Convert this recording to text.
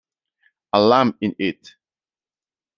A lamp in it.